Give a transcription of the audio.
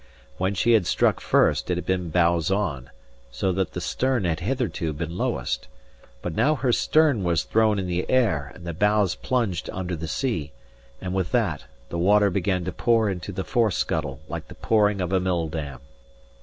When she had struck first, it had been bows on, so that the stern had hitherto been lowest. But now her stern was thrown in the air, and the bows plunged under the sea; and with that, the water began to pour into the fore scuttle like the pouring of a mill dam.